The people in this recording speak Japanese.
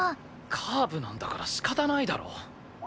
カーブなんだから仕方ないだろ。